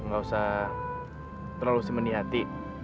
gak usah terlalu simenih hati